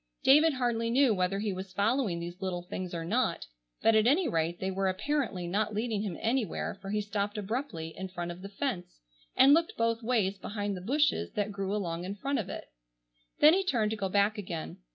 David hardly knew whether he was following these little things or not, but at any rate they were apparently not leading him anywhere for he stopped abruptly in front of the fence and looked both ways behind the bushes that grew along in front of it. Then he turned to go back again.